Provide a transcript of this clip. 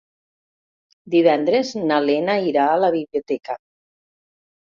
Divendres na Lena irà a la biblioteca.